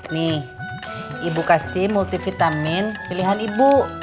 nih ibu kasih multivitamin pilihan ibu